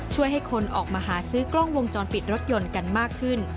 ช่วยให้คนออกมาหาซื้อกล้องวงจรปิดรถยนต์กันมากขึ้น